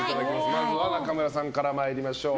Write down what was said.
まずは中村さんから参りましょう。